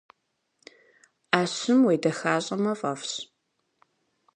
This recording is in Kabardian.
Ӏэщым уедэхащӏэмэ фӏэфӏщ.